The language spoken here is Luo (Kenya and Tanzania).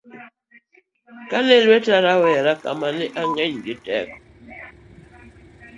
kane lwete rowera ka mane ng'eny gi teko